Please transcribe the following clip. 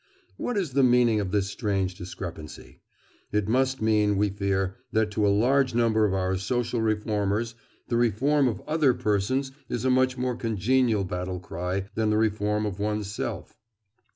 What is the meaning of this strange discrepancy? It must mean, we fear, that to a large number of our social reformers the reform of other persons is a much more congenial battle cry than the reform of one's self.